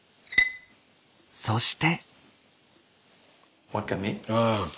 そして。